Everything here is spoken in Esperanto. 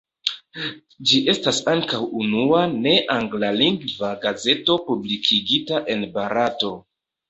Ĝi estas ankaŭ unua ne anglalingva gazeto publikigita en Barato.